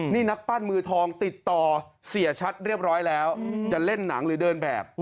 นี่นักปั้นมือทองติดต่อเสียชัดเรียบร้อยแล้วจะเล่นหนังหรือเดินแบบ